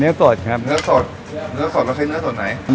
สดครับเนื้อสดเนื้อสดเราใช้เนื้อสดไหน